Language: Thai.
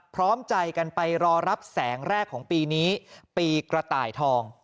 พร้อมใจกันไปรอรับแสงแรกของปีนี้ปีกระต่ายทอง